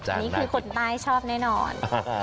อันนี้คือคนใต้ชอบแน่นอน